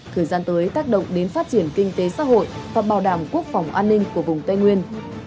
thời gian tới tác động đến phát triển kinh tế xã hội và bảo đảm quốc phòng an ninh của vùng tây nguyên